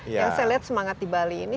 yang saya lihat semangat di bali ini